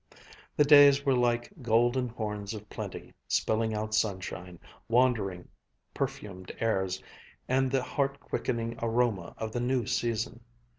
The days were like golden horns of plenty, spilling out sunshine, wandering perfumed airs, and the heart quickening aroma of the new season.